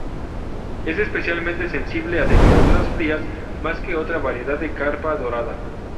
Es especialmente sensible a temperaturas frías, más que otra variedad de carpa dorada.